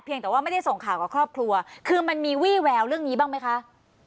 แต่ว่าไม่ได้ส่งข่าวกับครอบครัวคือมันมีวี่แววเรื่องนี้บ้างไหมคะ